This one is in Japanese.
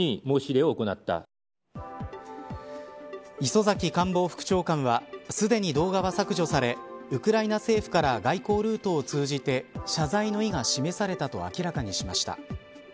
磯崎官房副長官はすでに動画は削除されウクライナ政府から外交ルートを通じて謝罪の意が示されたと明らかにしました。